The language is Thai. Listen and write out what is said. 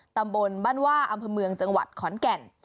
ตำบลบ้านว่าอำเภอเมืองจังหวัดขอนแก่น